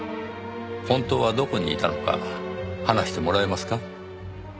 本当はどこにいたのか話してもらえますか？